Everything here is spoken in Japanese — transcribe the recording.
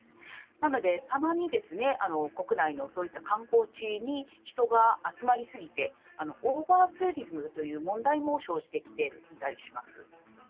なので、たまに国内のそういった観光地に人が集まり過ぎて、オーバーツーリズムという問題も生じてきていたりします。